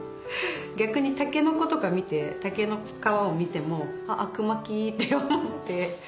逆にたけのことか見て竹の皮を見ても「あくまき」って思って。